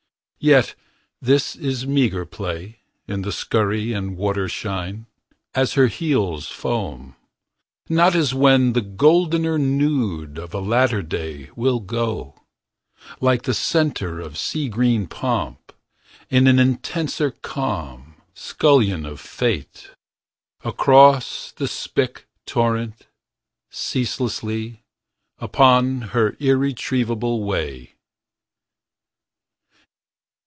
Yet this is meagre play In the scurry and water shine. As her heels foam— Not as when the goldener nude Of a later day Will go, like the centre of sea green pomp. In an intenser calm. Scullion of fate. Across the spick torrent, ceaselessly. Upon her irretrievable way.